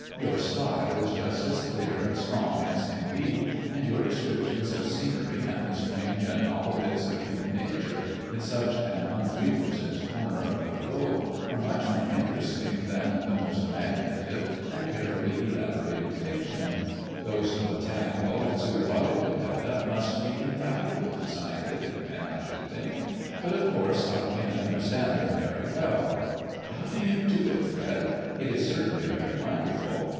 Your style is just as clear and strong as can be, and your descriptions of scenery and the strange and novel bits of human nature in such an unfrequented corner of the globe are much more interesting than the most imaginative and carefully elaborated fiction; those botanical and zoological data must be invaluable to scientific men, I should think; but of course I can't understand them very well. How do you do it, Fred? It is certainly very wonderful.